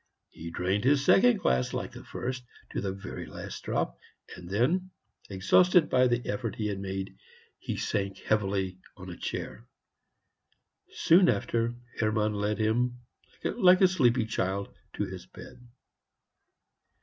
He drained this second glass, like the first, to the very last drop; and then, exhausted by the effort he had made, he sank heavily on a chair. Soon after, Hermann led him, like a sleepy child, to his bed.